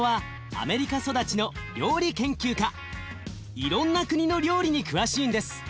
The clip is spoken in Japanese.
いろんな国の料理に詳しいんです。